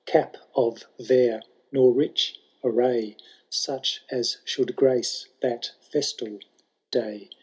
Cap of vair nor rich array. Such as should grace that festal day : Canto